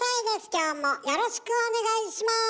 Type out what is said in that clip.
きょうもよろしくお願いします。